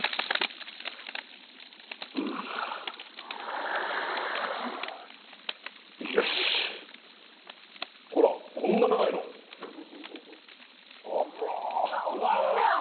うわっよしほらこんな長いのあらあっ